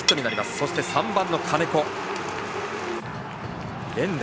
そして３番の金子、連打。